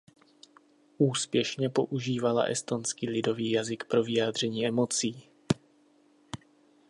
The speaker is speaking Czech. Úspěšně používala estonský lidový jazyk pro vyjádření emocí.